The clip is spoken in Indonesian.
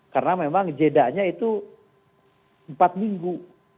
karena memang jedanya itu empat minggu